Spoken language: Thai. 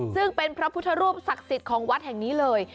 ซึ่งเป็นพระพุทธรูปศักดิ์สิทธิ์ของวัดแห่งนี้เลย